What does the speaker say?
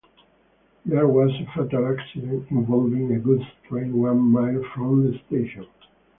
There was a fatal accident involving a goods train one mile from the station.